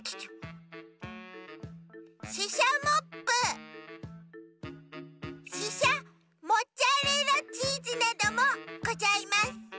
ししゃモップししゃモッツァレラチーズなどもございます。